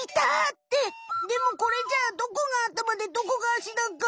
ってでもこれじゃあどこがあたまでどこがあしだか？